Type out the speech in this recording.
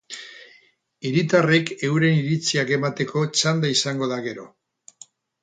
Hiritarrek euren iritziak emateko txanda izango da gero.